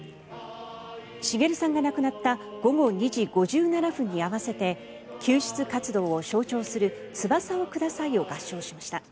滋さんが亡くなった午後２時５７分に合わせて救出活動を象徴する「翼をください」を合唱しました。